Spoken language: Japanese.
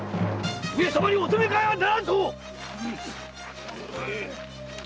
上様にお手向かいはならんぞ！